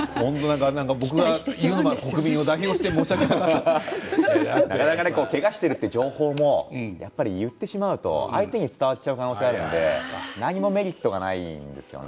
僕が言うのもですけれどけがをしているという情報も言ってしまうと相手に伝わってしまうこともあるので何もメリットがないんですよね。